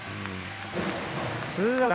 ツーアウト。